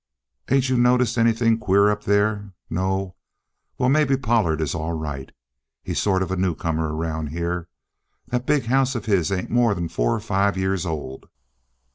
"Ain't you noticed anything queer up there? No? Well, maybe Pollard is all right. He's sort of a newcomer around here. That big house of his ain't more'n four or five years old.